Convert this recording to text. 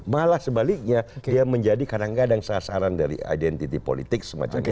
malah sebaliknya dia menjadi kadang kadang sasaran dari identity politics